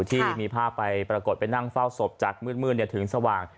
ที่มีภาพไปปรากฏไปนั่งเฝ้าศพจากมืดถึงสว่าง